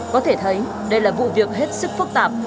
có thể thấy đây là vụ việc hết sức phức tạp